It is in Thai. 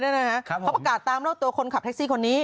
เขาประกาศตามรอบตัวคนขับแท็กซี่คนนี้